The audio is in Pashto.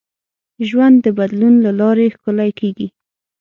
ژوند د بدلون له لارې ښکلی کېږي.